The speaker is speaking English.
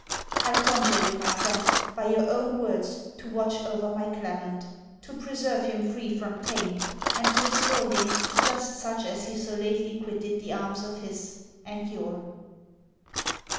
I conjure you, my friend, by your own words, to watch over my Clement to preserve him free from taint; and to restore him, just such as he so lately quitted the arms of his, and your.